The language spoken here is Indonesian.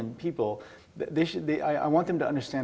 saya ingin mereka